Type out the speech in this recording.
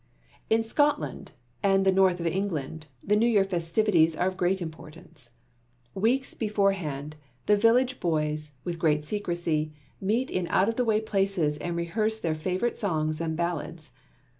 In Scotland and the North of England the New Year festivities are of great importance. Weeks before hand, the village boys, with great secrecy, meet in out of the way places and rehearse their favourite songs and ballads.